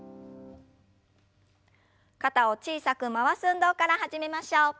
肩を小さく回す運動から始めましょう。